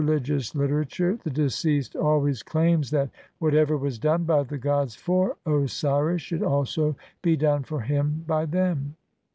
ligious literature the deceased always claims that what ever was done by the gods for Osiris should also be done for him by them.